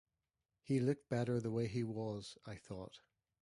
He looked better the way he was, I thought.